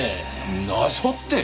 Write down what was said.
謎って。